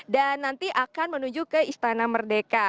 dan nanti akan menuju ke istana merdeka